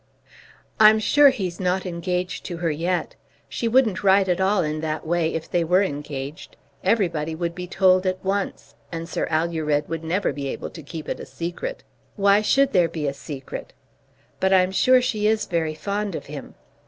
"I'm sure he's not engaged to her yet. She wouldn't write at all in that way if they were engaged. Everybody would be told at once, and Sir Alured would never be able to keep it a secret. Why should there be a secret? But I'm sure she is very fond of him.